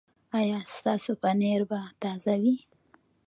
ایا ستاسو پنیر به تازه وي؟